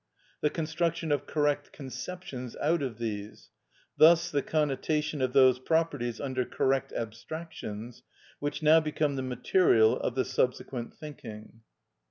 The construction of correct conceptions out of these; thus the connotation of those properties under correct abstractions, which now become the material of the subsequent thinking.